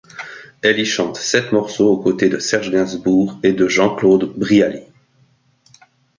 Elle y chante sept morceaux aux côtés de Serge Gainsbourg et de Jean-Claude Brialy.